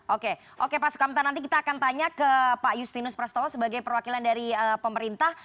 oke oke pak sukamta nanti kita akan tanya ke pak justinus prastowo sebagai perwakilan dari pemerintah